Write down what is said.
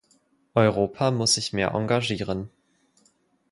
Europa muss sich mehr engagieren.